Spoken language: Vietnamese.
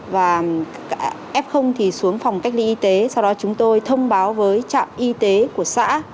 và f thì xuống phòng cách ly y tế sau đó chúng tôi thông báo với trạm y tế của xã